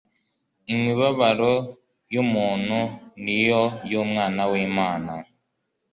Imibabaro y'umuntu ni yo y'Umwana w'Imana,